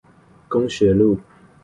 公學路